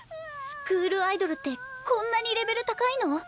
スクールアイドルってこんなにレベル高いの？